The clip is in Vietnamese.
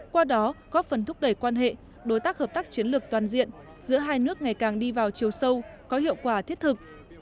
qua đó góp phần thúc đẩy quan hệ đối tác hợp tác chiến lược toàn diện giữa hai nước ngày càng đi vào chiều sâu có hiệu quả thiết thực